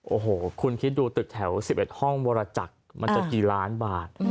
โอ้โหคุณคิดดูตึกแถว๑๑ห้องวรจักรมันจะกี่ล้านบาท